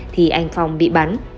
thì anh phong bị bắn